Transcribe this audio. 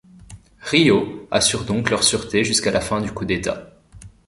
Ryô assure donc leur sureté jusqu'à la fin du coup d'État.